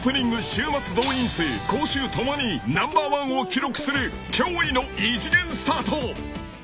週末動員数・興収共にナンバーワンを記録する脅威の異次元スタート］